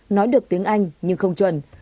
nói được tiếng anh nhưng không chuẩn